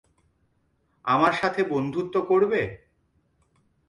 আমার সাথে বন্ধুত্ব করবে?